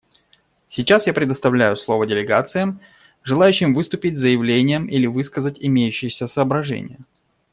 Сейчас я предоставляю слово делегациям, желающим выступить с заявлением или высказать имеющиеся соображения.